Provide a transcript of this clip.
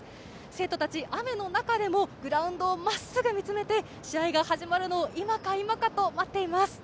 生徒たちは雨の中でもグラウンドをまっすぐ見つめて試合が始まるのを今か今かと待っています。